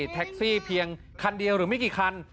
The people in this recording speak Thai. แท็กซี่เพียงคันเดียวหรือไม่กี่คัน